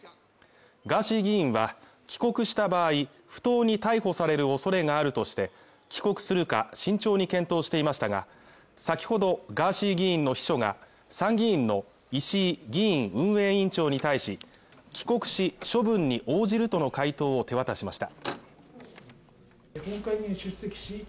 ガーシー議員は帰国した場合、不当に逮捕される恐れがあるとして、帰国するか慎重に検討していましたが、先ほどガーシー議員の秘書が、参議院の石井議院運営委員長に対し、帰国し、処分に応じるとの回答を手渡しました。